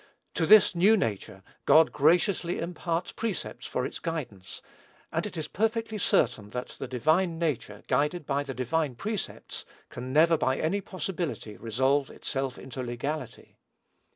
To this new nature God graciously imparts precepts for its guidance; and it is perfectly certain that the divine nature guided by the divine precepts can never by any possibility resolve itself into legality.